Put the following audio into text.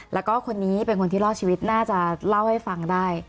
แล้วก็คนนี้เป็นคนที่รอดชีวิตน่าจะเล่าให้ฟังได้